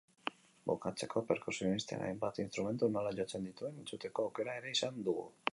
Bukatzeko, perkusionisten hainbat instrumentu nola jotzen dituen entzuteko aukera ere izan dugu.